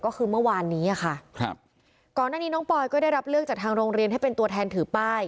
ก็คือเมื่อวานนี้อ่ะค่ะครับก่อนหน้านี้น้องปอยก็ได้รับเลือกจากทางโรงเรียนให้เป็นตัวแทนถือป้าย